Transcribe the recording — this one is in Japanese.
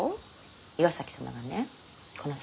岩崎様がねこの先